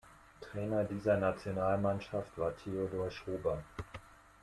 Trainer dieser Nationalmannschaft war Theodor Schober.